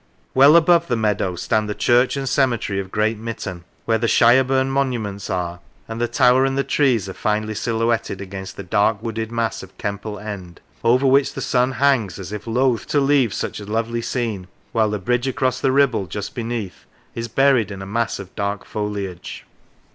Well above the meadow stand the church and cemetery of Great Mitton, where the Shireburne 129 R Lancashire monuments are, and the tower and the trees are finely silhouetted against the dark wooded mass of Kemple End, over which the sun hangs as if loth to leave such a lovely scene, while the bridge across the Ribble just beneath is buried in a mass of dark foliage.